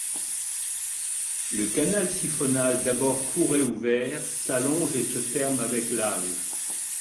Le canal siphonal d'abord court et ouvert, s'allonge et se ferme avec l'âge.